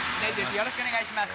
よろしくお願いします。